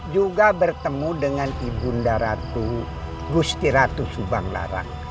juga bertemu dengan ibunda ratu gusti ratu subang larang